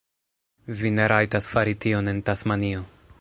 Vi ne rajtas fari tion en Tasmanio.